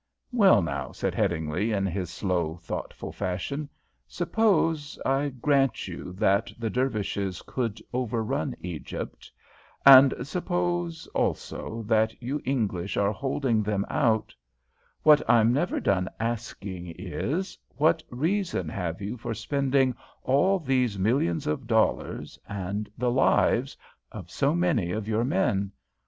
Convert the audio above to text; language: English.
"Well now," said Headingly, in his slow, thoughtful fashion, "suppose I grant you that the Dervishes could overrun Egypt, and suppose also that you English are holding them out, what I'm never done asking is, what reason have you for spending all these millions of dollars and the lives of so many of your men?